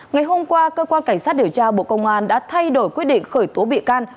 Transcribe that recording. ngày hôm qua cơ quan cảnh sát điều tra bộ công an đã thay đổi quyết định khởi tố bị can